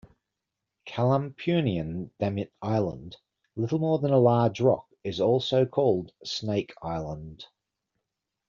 Kalampunian Damit Island, little more than a large rock, is also called Snake Island.